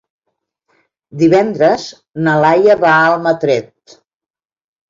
Divendres na Laia va a Almatret.